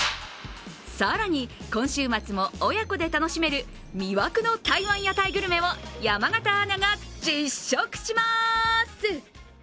更に今週末も親子で楽しめる魅惑の台湾屋台グルメを山形アナが実食します。